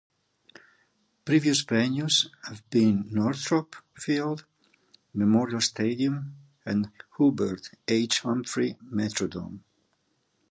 Previous venues have been Northrop Field, Memorial Stadium, and Hubert H. Humphrey Metrodome.